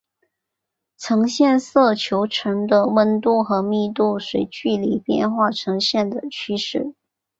呈现色球层的温度和密度随距离变化呈现的趋势。